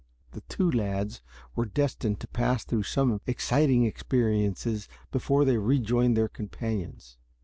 The two lads were destined to pass through some exciting experiences before they rejoined their companions.